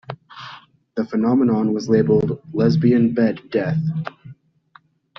The phenomenon was labeled "lesbian bed death".